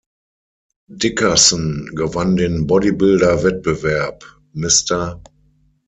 Dickerson gewann den Bodybuilder-Wettbewerb Mr.